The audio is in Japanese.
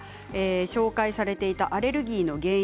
紹介されていたアレルギーの原因